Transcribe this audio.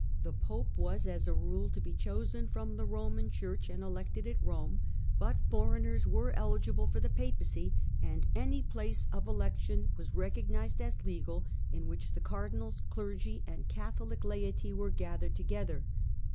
The Pope was as a rule to be chosen from the Koman Church, and elected at Eome, but foreigners were eligible for the Papacy, and any place of election was recognized as legal in which the cardinals, clergy, and Catholic laity were gathered together.